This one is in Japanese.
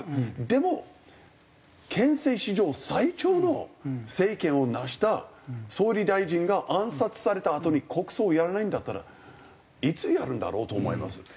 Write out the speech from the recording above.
でも憲政史上最長の政権を成した総理大臣が暗殺されたあとに国葬をやらないんだったらいつやるんだろう？と思います。